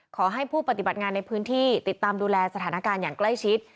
ขอให้ผู้ปฏิบัติงานในพื้นที่ติดตามดูแลสถานการณ์อย่างใกล้ชิด